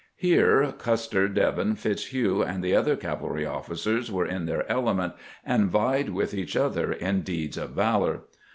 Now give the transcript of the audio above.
Here Custer, Devin, Fitzhugh, and the other cavalry leaders were in their element, and vied with each other in deeds of valor.